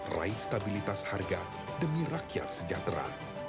raih stabilitas harga demi rakyat sejahtera